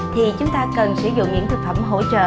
thì chúng ta cần sử dụng những thực phẩm hỗ trợ